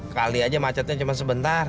kali aja macetnya cuma sebentar